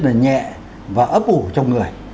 là nhẹ và ấp ủ trong người